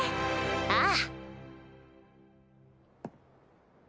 ああ。